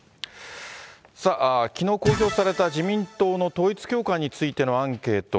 さあ、きのう公表された自民党の統一教会についてのアンケート。